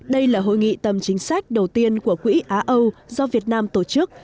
đây là hội nghị tầm chính sách đầu tiên của quỹ á âu do việt nam tổ chức